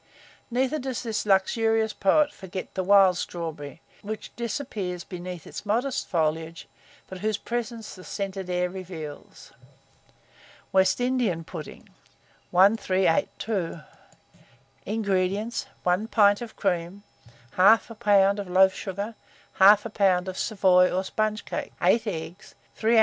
Neither does this luxurious poet forget the wild strawberry, which disappears beneath its modest foliage, but whose presence the scented air reveals. WEST INDIAN PUDDING. 1382. INGREDIENTS. 1 pint of cream, 1/2 lb. of loaf sugar, 1/2 lb. of Savoy or sponge cakes, 8 eggs, 3 oz.